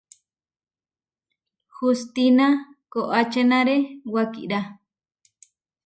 Hustína koačénare wakirá.